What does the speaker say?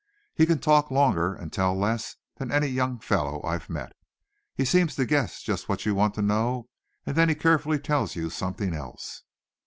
He can talk longer, and tell less, than any young fellow I've met. He seems to guess just what you want to know, and then he carefully tells you something else."